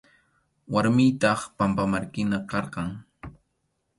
Warmiytaq pampamarkina karqan.